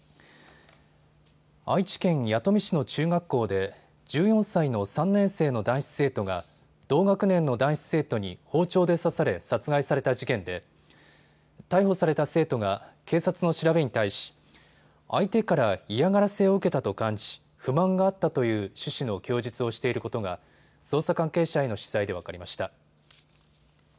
愛知県弥富市の中学校で１４歳の３年生の男子生徒が同学年の男子生徒に包丁で刺され殺害された事件で逮捕された生徒が警察の調べに対し、相手から嫌がらせを受けたと感じ不満があったという趣旨の供述をしていることが捜査関係者への取材で分かりました。